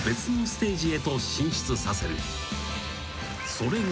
［それが］